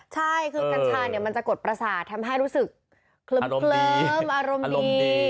ใช่คือกัญชาเนี่ยมันจะกดประสาททำให้รู้สึกเคลิ้มอารมณ์ดี